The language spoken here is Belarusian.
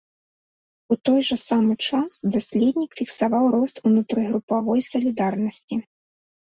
У той жа самы час даследнік фіксаваў рост унутрыгрупавой салідарнасці.